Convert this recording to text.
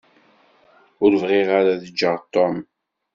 Ur bɣiɣ ara ad ǧǧeɣ Tom.